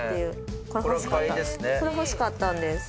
これ欲しかったんです。